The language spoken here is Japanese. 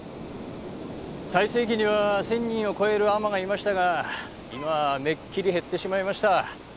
最盛期には１，０００人を超える海女がいましたが今はめっきり減ってしまいました。